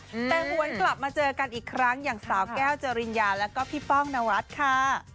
แต่หวนกลับมาเจอกันอีกครั้งอย่างสาวแก้วจริญญาแล้วก็พี่ป้องนรัฐค่ะ